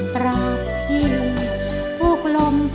ตราบที่ลูกฮูกลม